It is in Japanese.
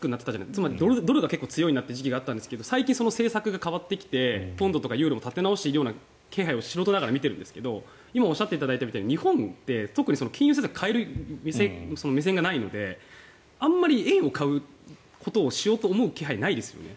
つまりドルが結構強いなという時期があったんですけど最近その政策が変わってきてポンドとかユーロも立て直している気配を素人ながら見ているんですが今、おっしゃっていただいたみたいに日本って金融政策を変える目線がないのであまり円を買うことをしようと思う気配がないですよね。